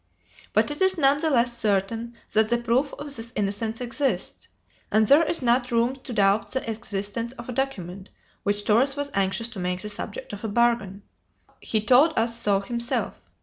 But it is none the less certain that the proof of this innocence exists, and there is not room to doubt the existence of a document which Torres was anxious to make the subject of a bargain. He told us so himself.